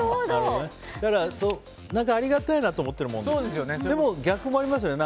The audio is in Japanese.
ありがたいなと思っているものですよね。